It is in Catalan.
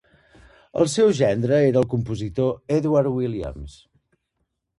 El seu gendre era el compositor Edward Williams.